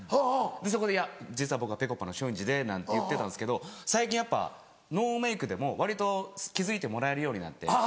そこで「僕はぺこぱの松陰寺で」なんて言ってたんですけど最近やっぱノーメイクでも割と気付いてもらえるようになって。